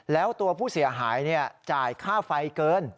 แล้วตัวผู้เสียหายจ่ายค่าไฟเกิน